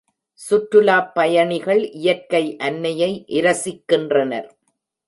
சுற்றுலாப் பயணிகள் இயற்கை அன்னையை இரசிக்கின்றனர்.